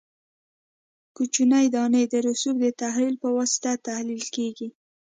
کوچنۍ دانې د رسوب د تحلیل په واسطه تحلیل کیږي